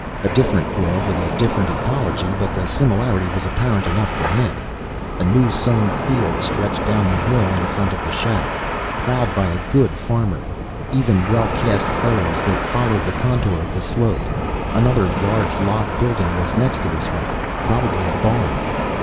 A different world with a different ecology, but the similarity was apparent enough to him. A new sown field stretched down the hill in front of the shack. Ploughed by a good farmer. Even, well cast furrows that followed the contour of the slope. Another, larger log building was next to this one, probably a barn.